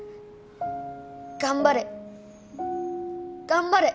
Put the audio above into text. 頑張れ。